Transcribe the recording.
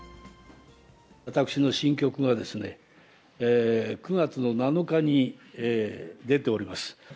私の新曲がですね、９月の７日に出ております。